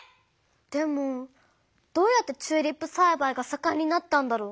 でもどうやってチューリップさいばいがさかんになったんだろう？